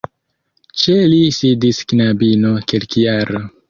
Ĉe li sidis knabino kelkjara.